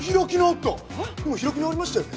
今開き直りましたよね？